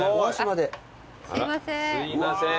すいません。